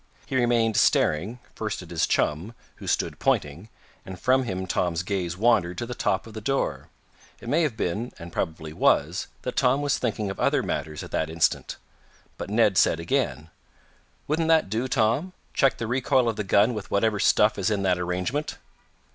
He remained staring, first at his chum, who stood pointing, and from him Tom's gaze wandered to the top of the door. It may have been, and probably was, that Tom was thinking of other matters at that instant. But Ned said again: "Wouldn't that do, Tom? Check the recoil of the gun with whatever stuff is in that arrangement!"